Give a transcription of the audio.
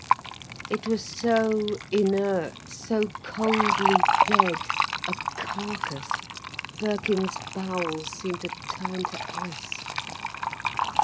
It was so inert, so coldly dead, a carcase, Birkin's bowels seemed to turn to ice.